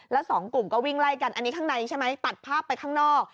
แล้วสองกลุ่มก็วิ่งไล่กันอันนี้ข้างในใช่ไหมตัดภาพไปข้างนอก